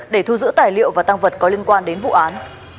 để thu giữ tài liệu và tăng vật có liên quan đến vụ án